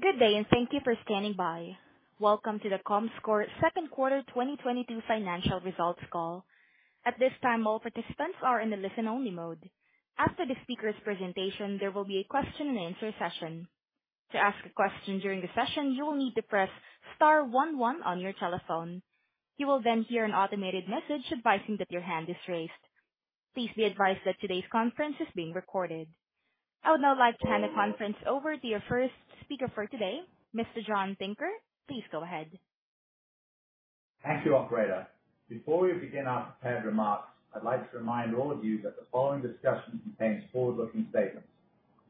Good day, and thank you for standing by. Welcome to the Comscore Second Quarter 2022 Financial Results Call. At this time, all participants are in the listen only mode. After the speaker's presentation, there will be a question and answer session. To ask a question during the session, you will need to press star one one on your telephone. You will then hear an automated message advising that your hand is raised. Please be advised that today's conference is being recorded. I would now like to hand the conference over to your first speaker for today, Mr. John Tinker. Please go ahead. Thank you, operator. Before we begin our prepared remarks, I'd like to remind all of you that the following discussion contains forward-looking statements.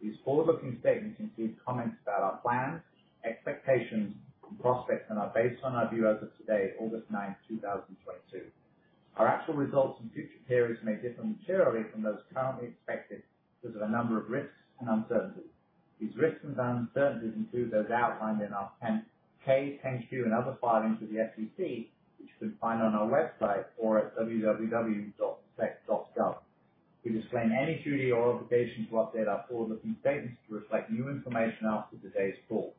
These forward-looking statements include comments about our plans, expectations, and prospects, and are based on our view as of today, August 9th, 2022. Our actual results in future periods may differ materially from those currently expected because of a number of risks and uncertainties. These risks and uncertainties include those outlined in our 10-K, 10-Q, and other filings with the SEC, which you can find on our website or at www.sec.gov. We disclaim any duty or obligation to update our forward-looking statements to reflect new information after today's call.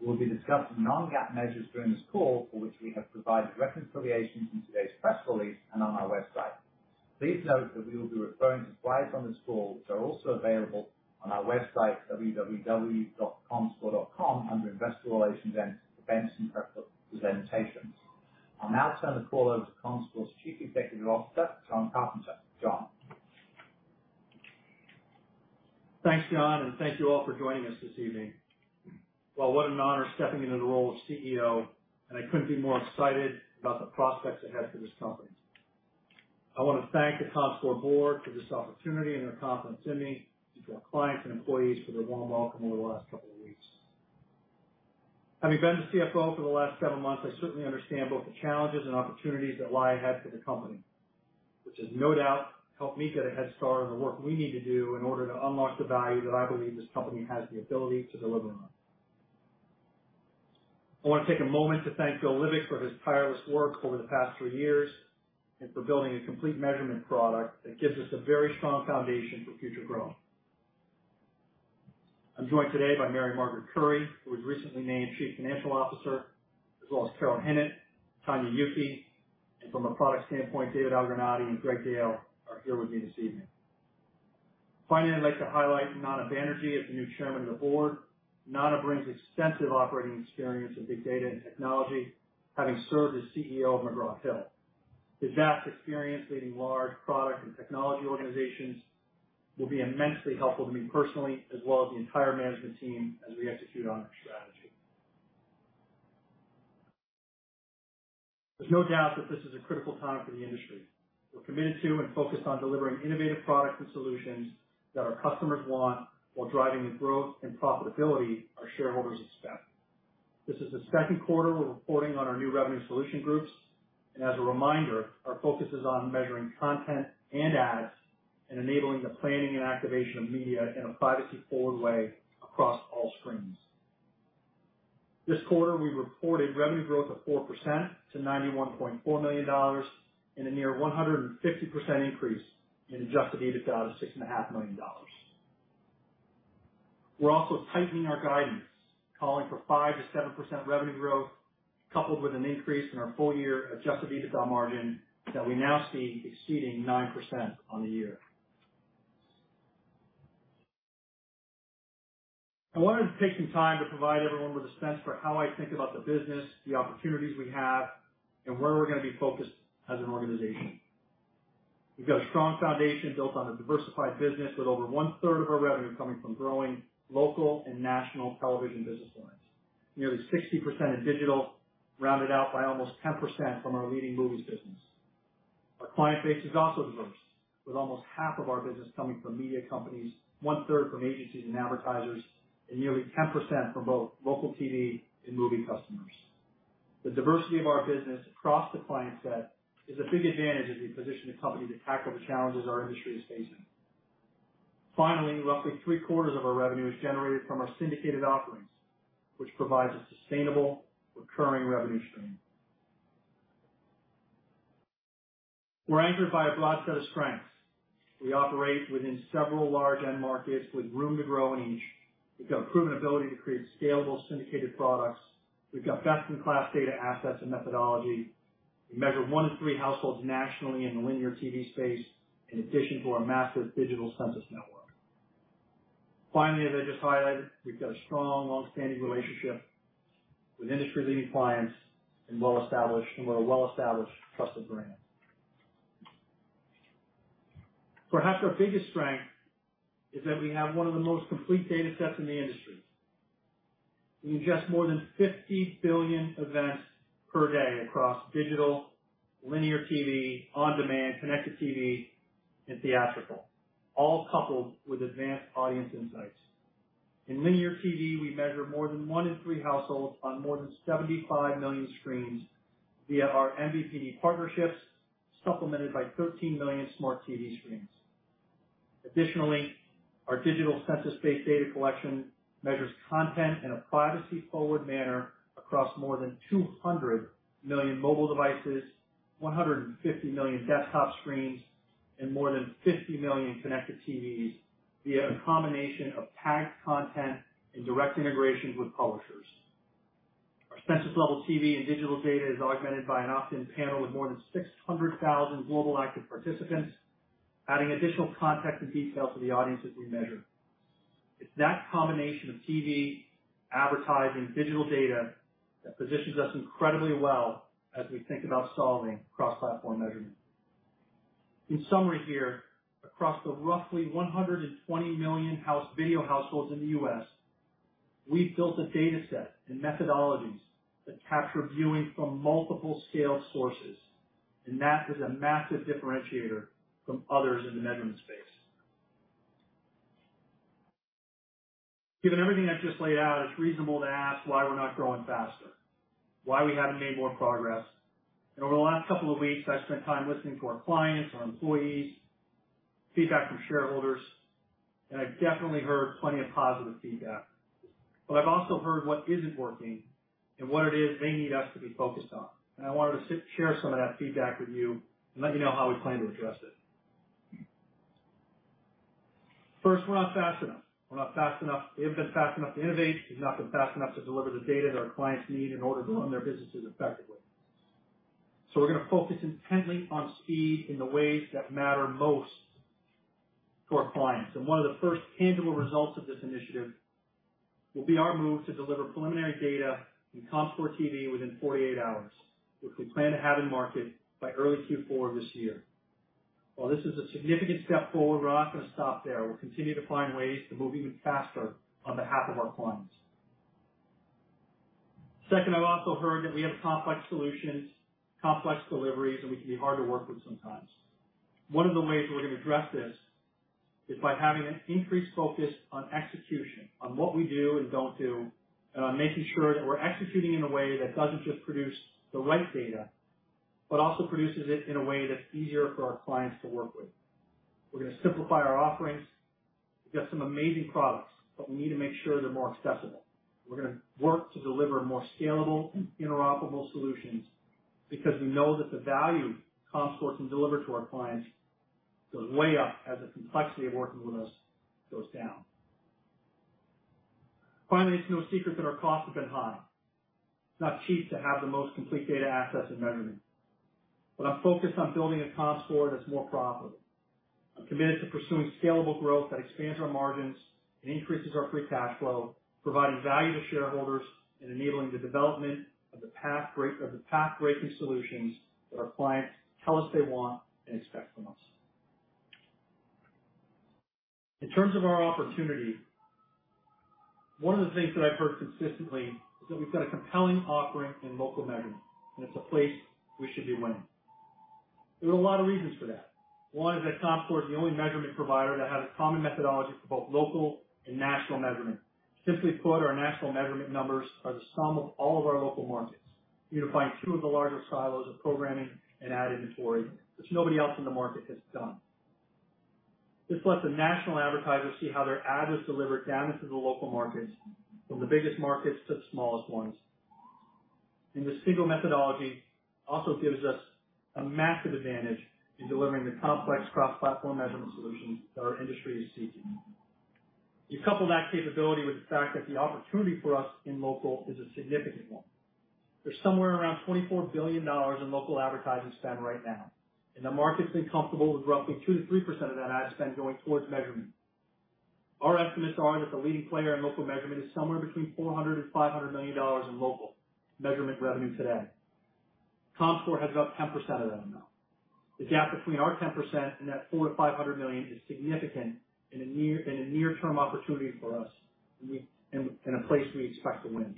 We will be discussing non-GAAP measures during this call for which we have provided reconciliations in today's press release and on our website. Please note that we will be referring to slides on this call, which are also available on our website, www.Comscore.com, under Investor Relations and Events and Presentations. I'll now turn the call over to Comscore's Chief Executive Officer, Jon Carpenter. Jon. Thanks, John, and thank you all for joining us this evening. Well, what an honor stepping into the role of CEO, and I couldn't be more excited about the prospects ahead for this company. I wanna thank the Comscore board for this opportunity and their confidence in me, to our clients and employees for their warm welcome over the last couple of weeks. Having been the CFO for the last several months, I certainly understand both the challenges and opportunities that lie ahead for the company, which has no doubt helped me get a head start on the work we need to do in order to unlock the value that I believe this company has the ability to deliver on. I want to take a moment to thank Bill Livek for his tireless work over the past three years and for building a complete measurement product that gives us a very strong foundation for future growth. I'm joined today by Mary Margaret Curry, who was recently named Chief Financial Officer, as well as Carol Hinnant, Tania Yuki, and from a product standpoint, David Algranati and Greg Dale are here with me this evening. Finally, I'd like to highlight Nana Banerjee as the new Chairman of the Board. Nana brings extensive operating experience in big data and technology, having served as CEO of McGraw-Hill. His vast experience leading large product and technology organizations will be immensely helpful to me personally, as well as the entire management team as we execute on our strategy. There's no doubt that this is a critical time for the industry. We're committed to and focused on delivering innovative products and solutions that our customers want while driving the growth and profitability our shareholders expect. This is the second quarter we're reporting on our new revenue solution groups, and as a reminder, our focus is on measuring content and ads and enabling the planning and activation of media in a privacy-forward way across all screens. This quarter, we reported revenue growth of 4% to $91.4 million and a near 150% increase in Adjusted EBITDA to $6.5 million. We're also tightening our guidance, calling for 5%-7% revenue growth, coupled with an increase in our full year Adjusted EBITDA margin that we now see exceeding 9% on the year. I wanted to take some time to provide everyone with a sense for how I think about the business, the opportunities we have, and where we're gonna be focused as an organization. We've got a strong foundation built on a diversified business with over 1/3 of our revenue coming from growing local and national television business lines. Nearly 60% is digital, rounded out by almost 10% from our leading movies business. Our client base is also diverse, with almost 1/2 of our business coming from media companies, 1/3 from agencies and advertisers, and nearly 10% from both local TV and movie customers. The diversity of our business across the client set is a big advantage as we position the company to tackle the challenges our industry is facing. Finally, roughly 3/4 of our revenue is generated from our syndicated offerings, which provides a sustainable recurring revenue stream. We're anchored by a broad set of strengths. We operate within several large end markets with room to grow in each. We've got proven ability to create scalable syndicated products. We've got best-in-class data assets and methodology. We measure 1/3 of households nationally in the linear TV space in addition to our massive digital census network. Finally, as I just highlighted, we've got a strong longstanding relationship with industry-leading clients and we're a well-established trusted brand. Perhaps our biggest strength is that we have one of the most complete data sets in the industry. We ingest more than 50 billion events per day across digital, linear TV, on-demand, connected TV, and theatrical, all coupled with advanced audience insights. In linear TV, we measure more than 1/3 of households on more than 75 million screens via our MVPD partnerships, supplemented by 13 million smart TV screens. Additionally, our digital census-based data collection measures content in a privacy-forward manner across more than 200 million mobile devices, 150 million desktop screens, and more than 50 million connected TVs via a combination of tagged content and direct integrations with publishers. Our census-level TV and digital data is augmented by an opt-in panel with more than 600,000 global active participants, adding additional context and detail to the audiences we measure. It's that combination of TV, advertising, digital data that positions us incredibly well as we think about solving cross-platform measurement. In summary here, across the roughly 120 million video households in the U.S., we've built a data set and methodologies that capture viewing from multiple scaled sources, and that is a massive differentiator from others in the measurement space. Given everything I've just laid out, it's reasonable to ask why we're not growing faster, why we haven't made more progress. Over the last couple of weeks, I've spent time listening to our clients, our employees, feedback from shareholders, and I've definitely heard plenty of positive feedback. I've also heard what isn't working and what it is they need us to be focused on. I wanted to share some of that feedback with you and let you know how we plan to address it. First, we're not fast enough. We haven't been fast enough to innovate. We've not been fast enough to deliver the data that our clients need in order to run their businesses effectively. We're gonna focus intently on speed in the ways that matter most to our clients. One of the first tangible results of this initiative will be our move to deliver preliminary data in Comscore TV within 48 hours, which we plan to have in market by early Q4 this year. While this is a significant step forward, we're not gonna stop there. We'll continue to find ways to move even faster on behalf of our clients. Second, I've also heard that we have complex solutions, complex deliveries, and we can be hard to work with sometimes. One of the ways we're gonna address this is by having an increased focus on execution, on what we do and don't do, and on making sure that we're executing in a way that doesn't just produce the right data, but also produces it in a way that's easier for our clients to work with. We're gonna simplify our offerings. We've got some amazing products, but we need to make sure they're more accessible. We're gonna work to deliver more scalable and interoperable solutions because we know that the value Comscore can deliver to our clients goes way up as the complexity of working with us goes down. Finally, it's no secret that our costs have been high. It's not cheap to have the most complete data access and measurement. I'm focused on building a Comscore that's more profitable. I'm committed to pursuing scalable growth that expands our margins and increases our free cash flow, providing value to shareholders and enabling the development of the path-breaking solutions that our clients tell us they want and expect from us. In terms of our opportunity, one of the things that I've heard consistently is that we've got a compelling offering in local measurement, and it's a place we should be winning. There are a lot of reasons for that. One is that Comscore is the only measurement provider that has a common methodology for both local and national measurement. Simply put, our national measurement numbers are the sum of all of our local markets, unifying two of the largest silos of programming and ad inventory, which nobody else in the market has done. This lets the national advertisers see how their ad was delivered down into the local markets, from the biggest markets to the smallest ones. This single methodology also gives us a massive advantage in delivering the complex cross-platform measurement solutions that our industry is seeking. You couple that capability with the fact that the opportunity for us in local is a significant one. There's somewhere around $24 billion in local advertising spend right now, and the market's been comfortable with roughly 2%-3% of that ad spend going towards measurement. Our estimates are that the leading player in local measurement is somewhere between $400 million and $500 million in local measurement revenue today. Comscore has about 10% of that amount. The gap between our 10% and that $400 million-$500 million is significant and a near-term opportunity for us and a place we expect to win.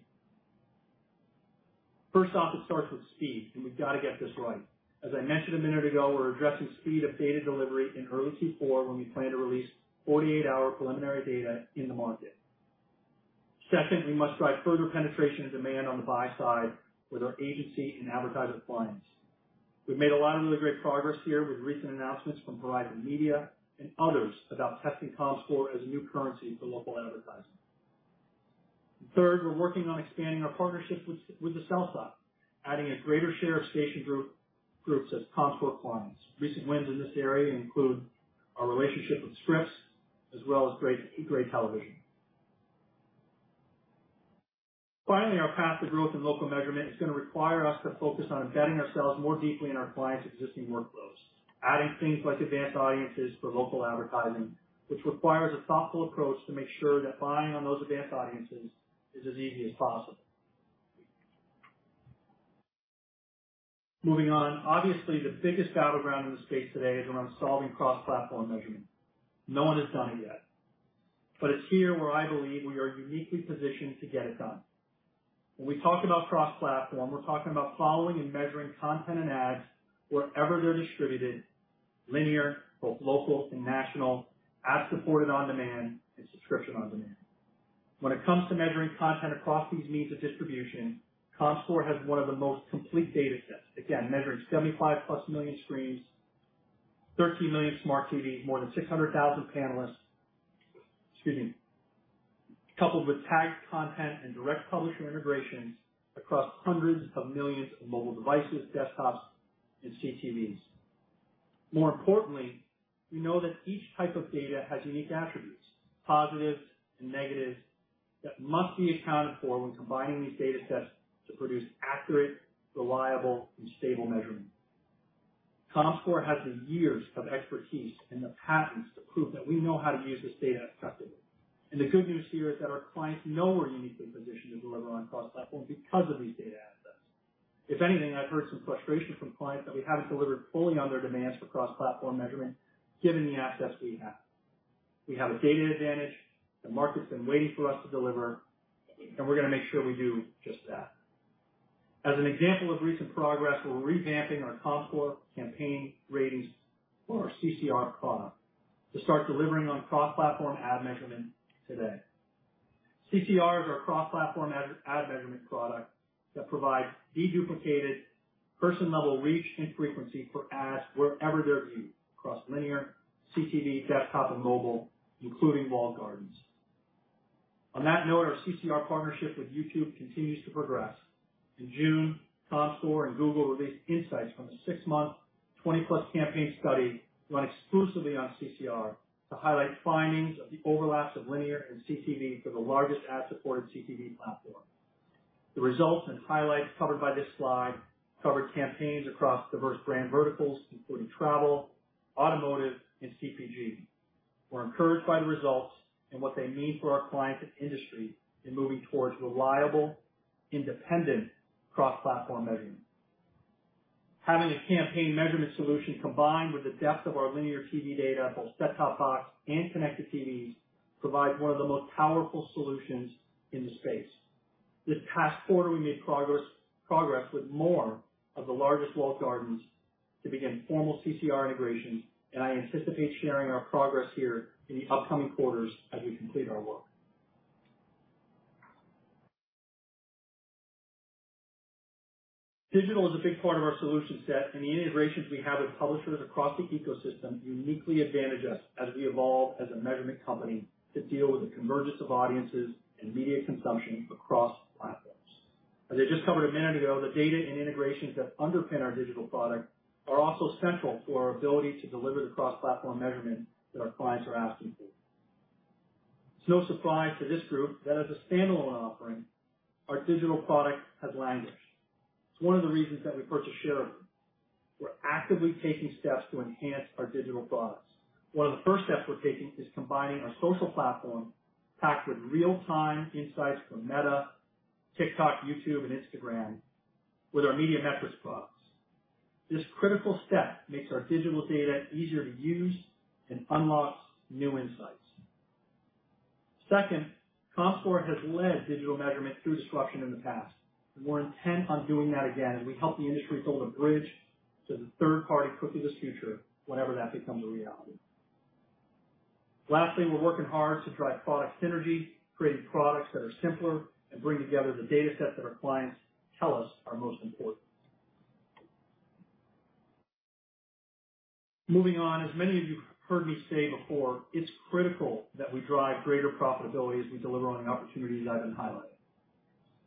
First off, it starts with speed, and we've got to get this right. As I mentioned a minute ago, we're addressing speed of data delivery in early Q4 when we plan to release 48-hour preliminary data in the market. Second, we must drive further penetration and demand on the buy side with our agency and advertiser clients. We've made a lot of really great progress here with recent announcements from Verizon Media and others about testing Comscore as a new currency for local advertising. Third, we're working on expanding our partnerships with the sell side, adding a greater share of station groups as Comscore clients. Recent wins in this area include our relationship with Scripps as well as Gray Television. Finally, our path to growth in local measurement is gonna require us to focus on embedding ourselves more deeply in our clients' existing workflows, adding things like advanced audiences for local advertising, which requires a thoughtful approach to make sure that buying on those advanced audiences is as easy as possible. Moving on. Obviously, the biggest battleground in the space today is around solving cross-platform measurement. No one has done it yet. It's here where I believe we are uniquely positioned to get it done. When we talk about cross-platform, we're talking about following and measuring content and ads wherever they're distributed. Linear, both local and national, ad-supported on demand, and subscription on demand. When it comes to measuring content across these means of distribution, Comscore has one of the most complete data sets. Again, measuring 75+ million screens, 13 million smart TVs, more than 600,000 panelists. Excuse me. Coupled with tagged content and direct publisher integrations across hundreds of millions of mobile devices, desktops, and CTVs. More importantly, we know that each type of data has unique attributes, positives and negatives, that must be accounted for when combining these data sets to produce accurate, reliable, and stable measurement. Comscore has the years of expertise and the patents to prove that we know how to use this data effectively. The good news here is that our clients know we're uniquely positioned to deliver on cross-platform because of these data assets. If anything, I've heard some frustration from clients that we haven't delivered fully on their demands for cross-platform measurement given the assets we have. We have a data advantage, the market's been waiting for us to deliver, and we're gonna make sure we do just that. As an example of recent progress, we're revamping our Comscore Campaign Ratings or our CCR product to start delivering on cross-platform ad measurement today. CCR is our cross-platform ad measurement product that provides deduplicated person-level reach and frequency for ads wherever they're viewed, across linear, CTV, desktop, and mobile, including walled gardens. On that note, our CCR partnership with YouTube continues to progress. In June, Comscore and Google released insights from the six-month, 20+ campaign study run exclusively on CCR to highlight findings of the overlaps of linear and CTV for the largest ad-supported CTV platform. The results and highlights covered by this slide covered campaigns across diverse brand verticals, including travel, automotive, and CPG. We're encouraged by the results and what they mean for our clients and industry in moving towards reliable, independent cross-platform measurement. Having a campaign measurement solution combined with the depth of our linear TV data, both set-top box and connected TVs, provides one of the most powerful solutions in the space. This past quarter, we made progress with more of the largest walled gardens to begin formal CCR integrations, and I anticipate sharing our progress here in the upcoming quarters as we complete our work. Digital is a big part of our solution set, and the integrations we have with publishers across the ecosystem uniquely advantage us as we evolve as a measurement company to deal with the convergence of audiences and media consumption across platforms. As I just covered a minute ago, the data and integrations that underpin our digital product are also central to our ability to deliver the cross-platform measurement that our clients are asking for. It's no surprise to this group that as a standalone offering, our digital product has languished. It's one of the reasons that we purchased Sharethrough. We're actively taking steps to enhance our digital products. One of the first steps we're taking is combining our social platform, packed with real-time insights from Meta, TikTok, YouTube, and Instagram, with our media metrics products. This critical step makes our digital data easier to use and unlocks new insights. Second, Comscore has led digital measurement through disruption in the past. We're intent on doing that again as we help the industry build a bridge to the third-party cookie-less future, whenever that becomes a reality. Lastly, we're working hard to drive product synergy, creating products that are simpler, and bring together the data sets that our clients tell us are most important. Moving on, as many of you have heard me say before, it's critical that we drive greater profitability as we deliver on the opportunities I've been highlighting.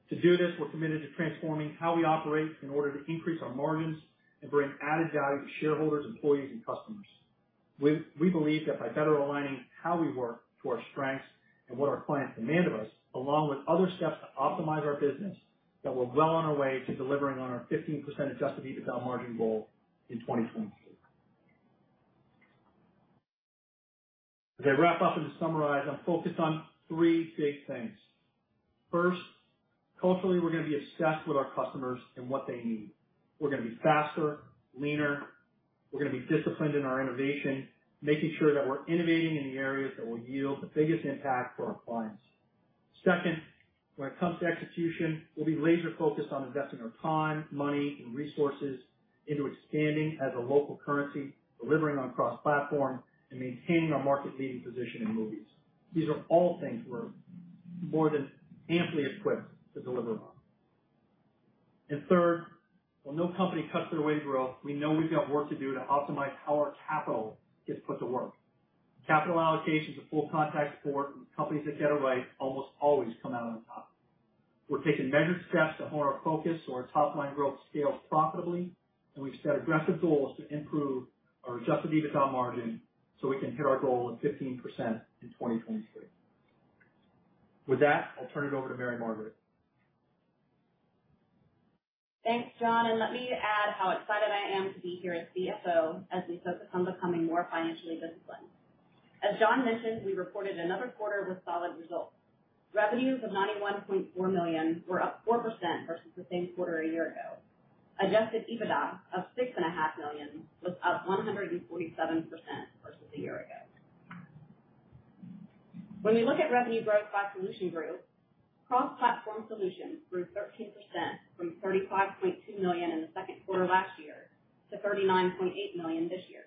To do this, we're committed to transforming how we operate in order to increase our margins and bring added value to shareholders, employees, and customers. We believe that by better aligning how we work to our strengths and what our clients demand of us, along with other steps to optimize our business, that we're well on our way to delivering on our 15% Adjusted EBITDA margin goal in 2023. As I wrap up and to summarize, I'm focused on three big things. First, culturally, we're gonna be obsessed with our customers and what they need. We're gonna be faster, leaner. We're gonna be disciplined in our innovation, making sure that we're innovating in the areas that will yield the biggest impact for our clients. Second, when it comes to execution, we'll be laser-focused on investing our time, money, and resources into expanding as a local currency, delivering on cross-platform, and maintaining our market-leading position in movies. These are all things we're more than amply equipped to deliver on. Third, while no company cuts their way to growth, we know we've got work to do to optimize how our capital gets put to work. Capital allocation is a full contact sport, and companies that get it right almost always come out on top. We're taking measured steps to hone our focus so our top-line growth scales profitably, and we've set aggressive goals to improve our Adjusted EBITDA margin so we can hit our goal of 15% in 2023. With that, I'll turn it over to Mary Margaret. Thanks, Jon, and let me add how excited I am to be here as CFO as we focus on becoming more financially disciplined. As Jon mentioned, we reported another quarter with solid results. Revenues of $91.4 million were up 4% versus the same quarter a year ago. Adjusted EBITDA of $6.5 million was up 147% versus a year ago. When we look at revenue growth by solution group, cross-platform solutions grew 13% from $35.2 million in the second quarter last year to $39.8 million this year.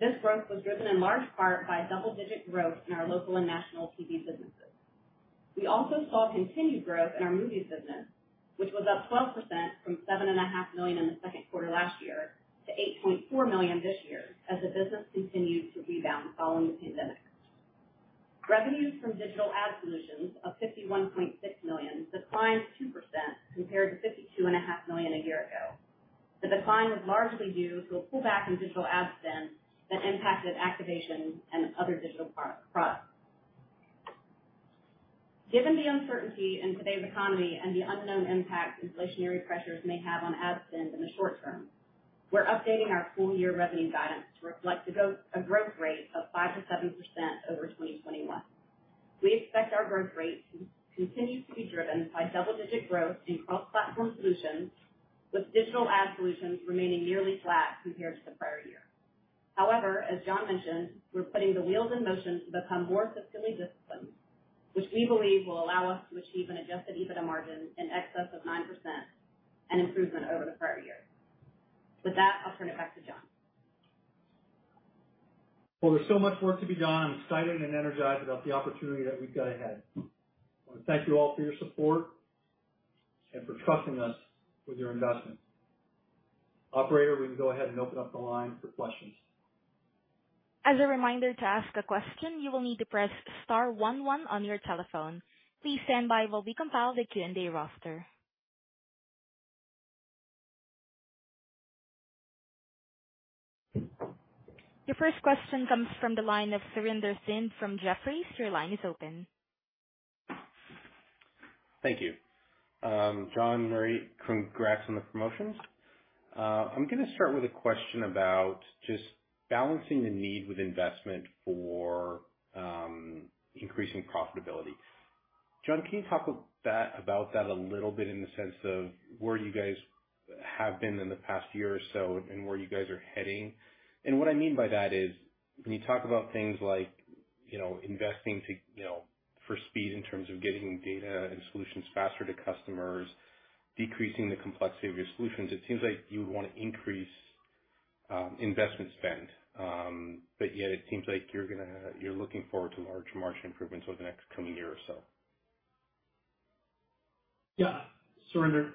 This growth was driven in large part by double-digit growth in our local and national TV businesses. We also saw continued growth in our movies business, which was up 12% from $7.5 million in the second quarter last year to $8.4 million this year as the business continues to rebound following the pandemic. Revenues from digital ad solutions of $51.6 million declined 2% compared to $52.5 million a year ago. The decline was largely due to a pullback in digital ad spend that impacted activation and other digital pro-products. Given the uncertainty in today's economy and the unknown impact inflationary pressures may have on ad spend in the short term, we're updating our full year revenue guidance to reflect a growth rate of 5%-7% over 2021. We expect our growth rate to continue to be driven by double-digit growth in cross-platform solutions, with digital ad solutions remaining nearly flat compared to the prior year. However, as Jon mentioned, we're putting the wheels in motion to become more systematically disciplined, which we believe will allow us to achieve an adjusted EBITDA margin in excess of 9%, an improvement over the prior year. With that, I'll turn it back to Jon. Well, there's so much work to be done. I'm excited and energized about the opportunity that we've got ahead. I want to thank you all for your support and for trusting us with your investment. Operator, we can go ahead and open up the line for questions. As a reminder, to ask a question, you will need to press star one one on your telephone. Please stand by while we compile the Q&A roster. Your first question comes from the line of Surinder Thind from Jefferies. Your line is open. Thank you. Jon, Mary Margaret, congrats on the promotions. I'm gonna start with a question about just balancing the need with investment for increasing profitability. Jon, can you talk about that a little bit in the sense of where you guys have been in the past year or so and where you guys are heading? What I mean by that is when you talk about things like, you know, investing to, you know, for speed in terms of getting data and solutions faster to customers, decreasing the complexity of your solutions, it seems like you would wanna increase investment spend. Yet it seems like you're looking forward to large margin improvements over the next coming year or so. Yeah. Surinder,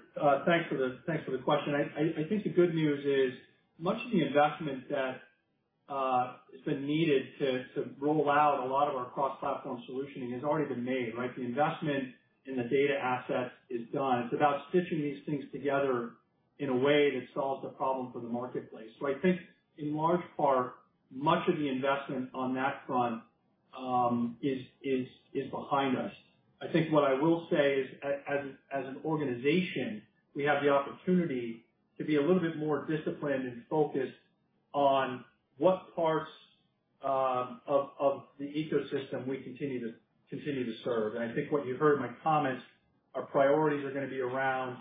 thanks for the question. I think the good news is much of the investment that has been needed to roll out a lot of our cross-platform solutions has already been made, right? The investment in the data assets is done. It's about stitching these things together in a way that solves a problem for the marketplace. I think in large part, much of the investment on that front is behind us. I think what I will say is as an organization, we have the opportunity to be a little bit more disciplined and focused on what parts of the ecosystem we continue to serve. I think what you heard in my comments, our priorities are gonna be around,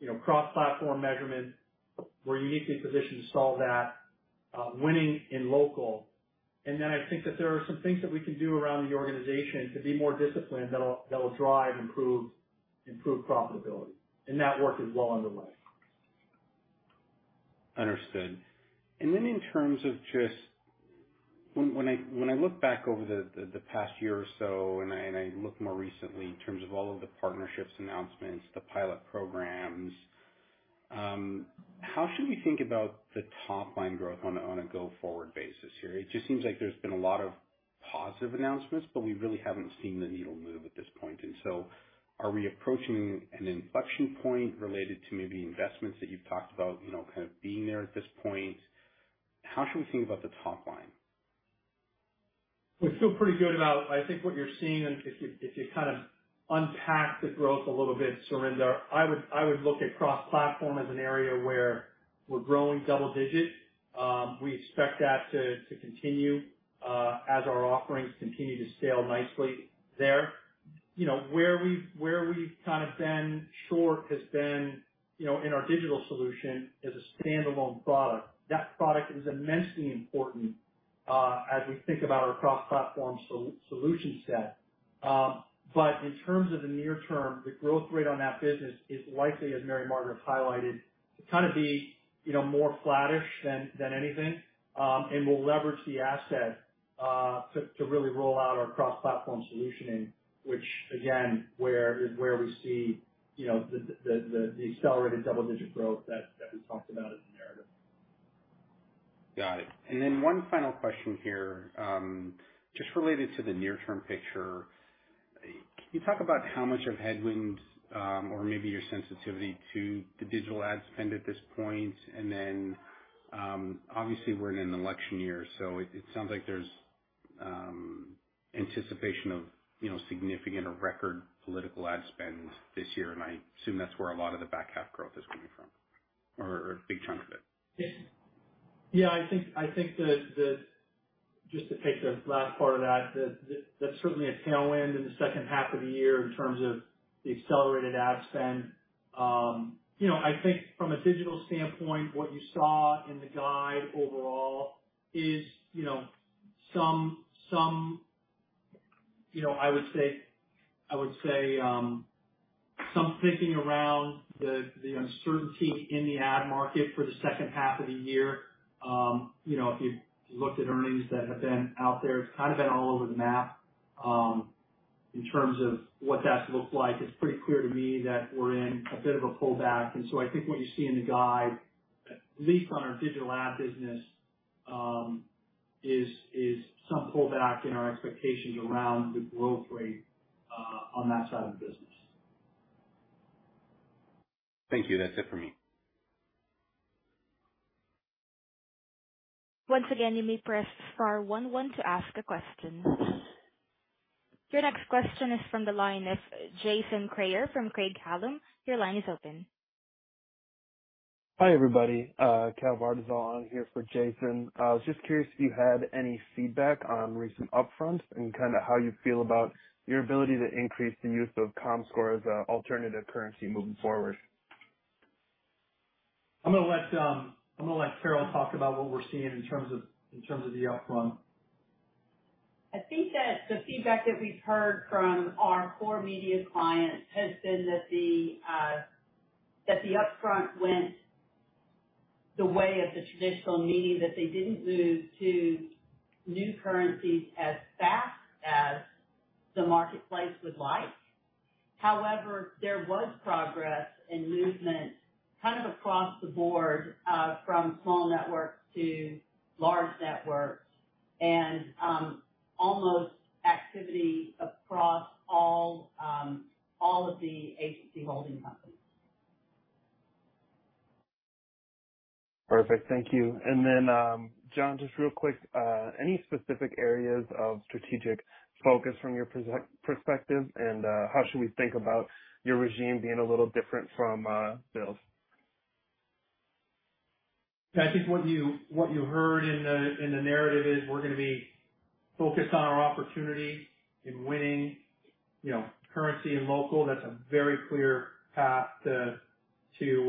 you know, cross-platform measurement, where you need to be positioned to solve that, winning in local. Then I think that there are some things that we can do around the organization to be more disciplined that'll drive improved profitability. That work is well underway. Understood. In terms of just when I look back over the past year or so and I look more recently in terms of all of the partnerships announcements, the pilot programs, how should we think about the top line growth on a go-forward basis here? It just seems like there's been a lot of positive announcements, but we really haven't seen the needle move at this point. Are we approaching an inflection point related to maybe investments that you've talked about, you know, kind of being there at this point? How should we think about the top line? We feel pretty good about, I think, what you're seeing, and if you kind of unpack the growth a little bit, Surinder, I would look at cross-platform as an area where we're growing double-digit. We expect that to continue as our offerings continue to scale nicely there. You know, where we've kind of been short has been, you know, in our digital solution as a standalone product. That product is immensely important as we think about our cross-platform solution set. But in terms of the near term, the growth rate on that business is likely, as Mary Margaret highlighted, to kind of be, you know, more flattish than anything. We'll leverage the asset to really roll out our cross-platform solutions, which again is where we see, you know, the accelerated double-digit growth that we talked about as the narrative. Got it. One final question here, just related to the near term picture. Can you talk about how much of headwinds, or maybe your sensitivity to the digital ad spend at this point? Obviously we're in an election year, so it sounds like there's anticipation of, you know, significant or record political ad spend this year, and I assume that's where a lot of the back half growth is coming from or a big chunk of it. Yeah. Yeah, I think, just to take the last part of that's certainly a tailwind in the second half of the year in terms of the accelerated ad spend. You know, I think from a digital standpoint, what you saw in the guide overall is, you know, some, you know, I would say, some thinking around the uncertainty in the ad market for the second half of the year. You know, if you looked at earnings that have been out there, it's kind of been all over the map. In terms of what that looks like, it's pretty clear to me that we're in a bit of a pullback. I think what you see in the guide, at least on our digital ad business, is some pullback in our expectations around the growth rate on that side of the business. Thank you. That's it for me. Once again, you may press star one one to ask a question. Your next question is from the line of Jason Cryer from Craig-Hallum. Your line is open. Hi, everybody. Cal Vardaz here for Jason. I was just curious if you had any feedback on recent upfront and kind of how you feel about your ability to increase the use of Comscore as an alternative currency moving forward. I'm gonna let Carol talk about what we're seeing in terms of the upfront. I think that the feedback that we've heard from our core media clients has been that the upfront went the way of the traditional, meaning that they didn't move to new currencies as fast as the marketplace would like. However, there was progress and movement kind of across the board, from small networks to large networks and a lot of activity across all of the agency holding companies. Perfect. Thank you. Jon, just real quick, any specific areas of strategic focus from your perspective, and how should we think about your regime being a little different from Bill's? I think what you heard in the narrative is we're gonna be focused on our opportunity in winning, you know, currency and local. That's a very clear path to you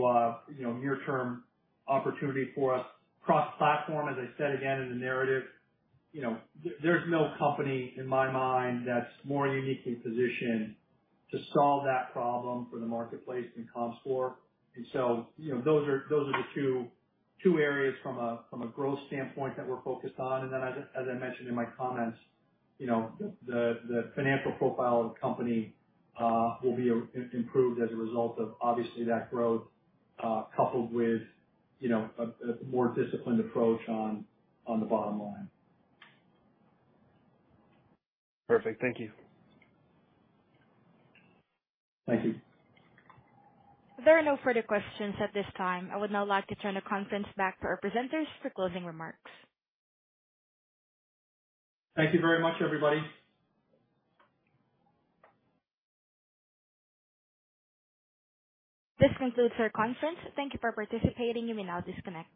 know, near-term opportunity for us. Cross-platform, as I said again in the narrative, you know, there's no company in my mind that's more uniquely positioned to solve that problem for the marketplace than Comscore. You know, those are the two areas from a growth standpoint that we're focused on. Then as I mentioned in my comments, you know, the financial profile of the company will be improved as a result of obviously that growth, coupled with you know, a more disciplined approach on the bottom line. Perfect. Thank you. Thank you. There are no further questions at this time. I would now like to turn the conference back to our presenters for closing remarks. Thank you very much, everybody. This concludes our conference. Thank you for participating. You may now disconnect.